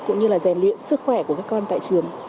cũng như là rèn luyện sức khỏe của các con tại trường